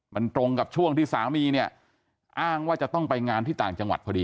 มันตรงกับช่วงที่สามีเนี่ยอ้างว่าจะต้องไปงานที่ต่างจังหวัดพอดี